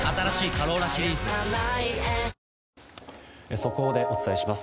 速報でお伝えします。